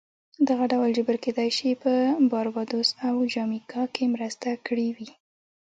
دغه ډول جبر کېدای شي په باربادوس او جامیکا کې مرسته کړې وي